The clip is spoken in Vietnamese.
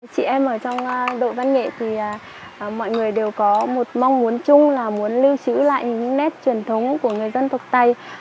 chị em ở trong đội văn nghệ thì mọi người đều có một mong muốn chung là muốn lưu trữ lại những nét truyền thống của người dân tộc tây